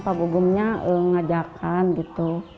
pak gugumnya mengajarkan gitu